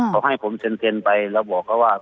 เขาให้ผมเซ็นไปแล้วบอกเขาว่า